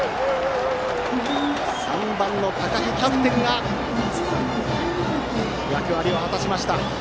３番、高陽キャプテンが役割を果たしました。